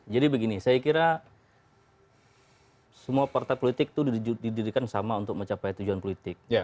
jadi begini saya kira semua partai politik itu didirikan sama untuk mencapai tujuan politik